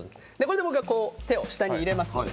僕が手を下に入れます。